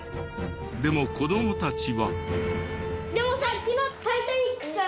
でも子どもたちは。